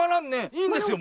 いいんですよ